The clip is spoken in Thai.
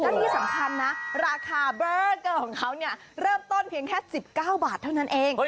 และที่สำคัญนะราคาเบอร์เกอร์ของเขาเนี่ยเริ่มต้นเพียงแค่๑๙บาทเท่านั้นเอง